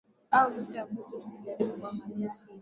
aa victor abuso tukijaribu kuangalia hili